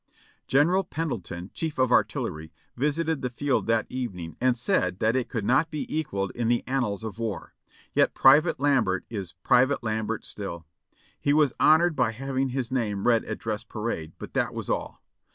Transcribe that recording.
"General Pendleton, Chief of Artillery, visited the field that eve ning and said that it could not be equaled in the annals of war; yet Private Lambert is 'Private Lambert' still. He was honored by having his name read at dress parade, but that was all.